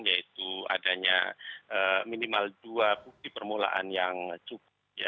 yaitu adanya minimal dua bukti permulaan yang cukup